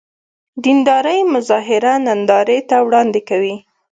دیندارۍ مظاهر نندارې ته وړاندې کوي.